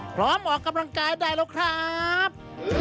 ออกกำลังกายได้แล้วครับ